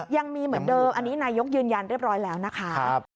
ยังมีเหมือนเดิมอันนี้นายกยืนยันเรียบร้อยแล้วนะคะ